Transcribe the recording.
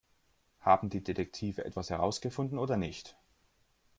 Haben die Detektive etwas herausgefunden oder nicht?